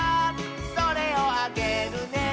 「それをあげるね」